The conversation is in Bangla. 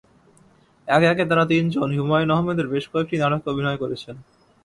একে একে তাঁরা তিনজন হুমায়ূন আহমেদের বেশ কয়েকটি নাটকে অভিনয় করেছেন।